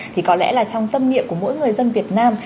thì có lẽ là trong tâm niệm của mỗi người dân việt nam